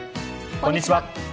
こんにちは。